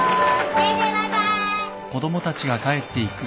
先生バイバーイ。